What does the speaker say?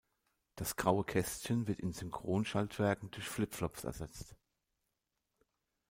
Das graue Kästchen wird in Synchron-Schaltwerken durch Flipflops ersetzt.